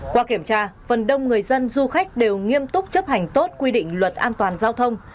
qua kiểm tra phần đông người dân du khách đều nghiêm túc chấp hành tốt quy định luật an toàn giao thông